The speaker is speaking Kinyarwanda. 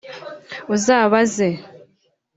uzabaze